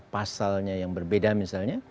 pasalnya yang berbeda misalnya